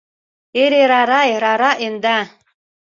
Э-ре-ра-рай, ра-ра, эн да